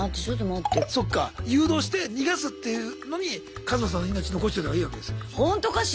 そっか誘導して逃がすっていうのにカズマさんの命残しといたほうがいいわけですよ。